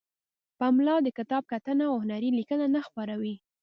پملا د کتاب کتنه او هنری لیکنې نه خپروي.